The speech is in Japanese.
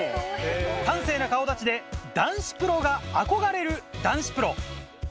端正な顔立ちで男子プロが憧れる男子プロ。